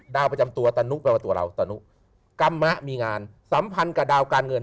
ดาวประจำตัวตะนุแปลว่าตัวเราตะนุกรรมมะมีงานสัมพันธ์กับดาวการเงิน